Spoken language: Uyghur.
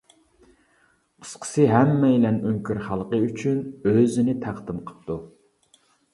قىسقىسى، ھەممەيلەن ئۆڭكۈر خەلقى ئۈچۈن ئۆزىنى تەقدىم قىپتۇ.